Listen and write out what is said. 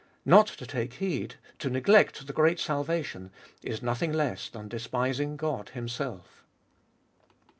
Not to take heed, to neglect the great salvation, is nothing less than despising God Himself.